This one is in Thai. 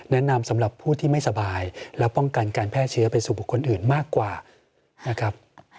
แนะนำสำหรับผู้ที่ไม่สบายและป้องกันการแพร่เชื้อไปสู่บุคคลอื่นมากกว่านะครับ